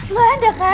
gak ada kan